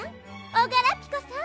おガラピコさん！